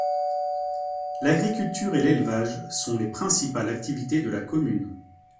L'agriculture et l'élevage sont les principales activités de la commune.